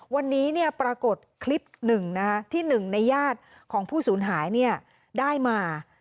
วันนี้ปรากฏคลิปหนึ่งที่หนึ่งในญาติของผู้สูญหายได้มา